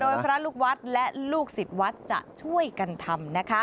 โดยพระลูกวัดและลูกศิษย์วัดจะช่วยกันทำ